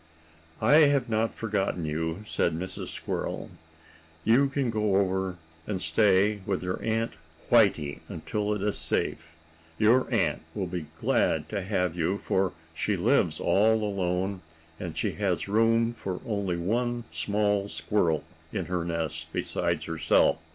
"I have not forgotten you," said Mrs. Squirrel. "You can go over and stay with your Aunt Whitey until it is safe. Your aunt will be glad to have you, for she lives all alone, and she has room for only one small squirrel in her nest beside herself.